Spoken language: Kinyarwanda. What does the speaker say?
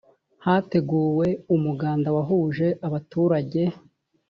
hateguwe umuganda wahuje abaturage